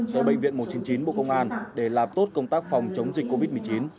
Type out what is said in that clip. tại bệnh viện một trăm chín mươi chín bộ công an để làm tốt công tác phòng chống dịch covid một mươi chín